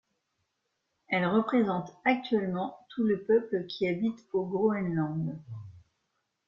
Elle représente actuellement tout le peuple qui habite au Groenland.